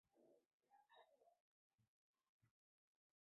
湖水经东北端出流泄入狮泉河。